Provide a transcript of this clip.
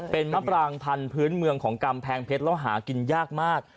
เป็นมะปรางพันธุ์พื้นเมืองของกำแพงเพชรแล้วหากินยากมาก